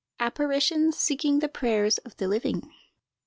APPARITIONS SEEKING THE PRAYERS OF THE LIVING.